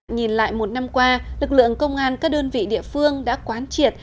nhìn lại một năm qua lực lượng công an các đơn vị địa phương đã quán triệt